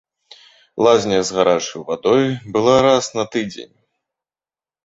Лазня з гарачаю вадой была раз на тыдзень.